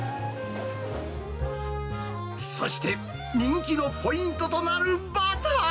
そして、人気のポイントとなるバター。